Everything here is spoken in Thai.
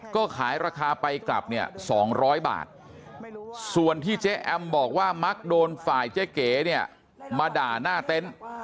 ก็ขายราคาไปกลับเนี่ย๒๐๐บาทส่วนที่เจ๊แอมบอกว่ามักโดนฝ่ายเจ๊เก๋เนี่ยมาด่าหน้าเต็นต์